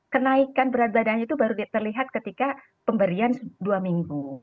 kenaikan berat badan itu baru terlihat ketika pemberian dua minggu